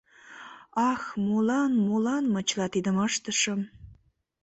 Ах, молан, молан мый чыла тидым ыштышым?»